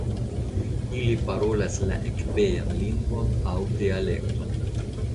Ili parolas la ekpejan lingvon aŭ dialekton.